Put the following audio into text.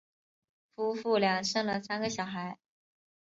夫妇俩生了三个小孩。